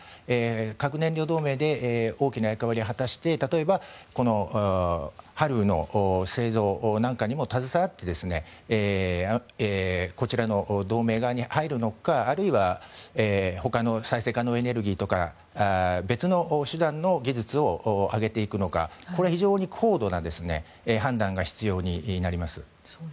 核燃料同盟で大きな役割を果たして例えばＨＡＬＥＵの製造なんかにも携わってこちらの同盟側に入るのかあるいは他の再生可能エネルギーとか別の手段の技術を上げていくのか非常に高度な判断が必要になります。